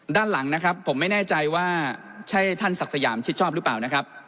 ด้านหลังนะครับผมไม่แน่ใจว่าใช่ท่านศักดิ์สยามชิดชอบหรือเปล่านะครับ